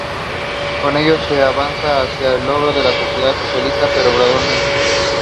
He became interested in comedy and started performing arts at Hagley Theatre Company.